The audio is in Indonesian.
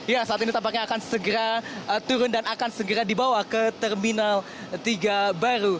ya saat ini tampaknya akan segera turun dan akan segera dibawa ke terminal tiga baru